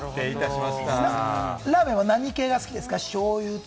ラーメンは何系が好きですか？